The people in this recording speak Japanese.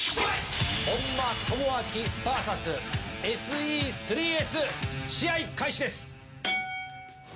本間朋晃バーサスＳＥ３Ｓ試合開始です！